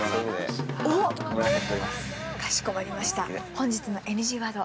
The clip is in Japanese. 本日のＮＧワード